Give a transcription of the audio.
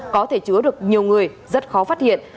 có thể chứa được nhiều người rất khó phát hiện